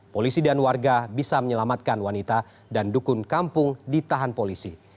polisi dan warga bisa menyelamatkan wanita dan dukun kampung ditahan polisi